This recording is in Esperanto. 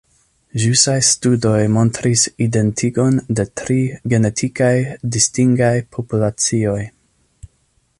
Ĵusaj studoj montris identigon de tri genetikaj distingaj populacioj.